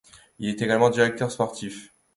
Il est également directeur sportif.